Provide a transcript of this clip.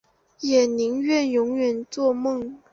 也宁愿永远作梦